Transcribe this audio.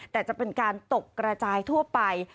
แต่จะเป็นการตกกระจายทั่วไป